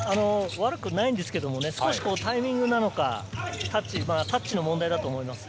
悪くないんですけど少しタイミングなのか、タッチの問題だと思います。